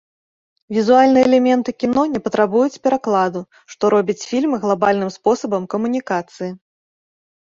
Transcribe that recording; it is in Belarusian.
Візуальныя элементы кіно не патрабуюць перакладу, што робіць фільмы глабальным спосабам камунікацыі.